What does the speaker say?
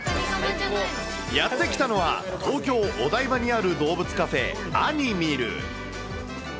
やって来たのは、東京・お台場にある動物カフェ、アニミル。